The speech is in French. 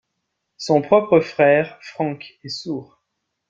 Son propre frère, Frank, est sourd.